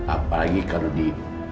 apalagi kalau di